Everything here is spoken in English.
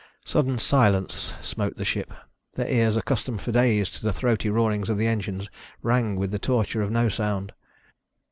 Sudden silence smote the ship. Their ears, accustomed for days to the throaty roarings of the engines, rang with the torture of no sound.